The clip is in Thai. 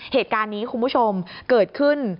เหตุการณ์นี้คุณผู้ชมเกิดขึ้น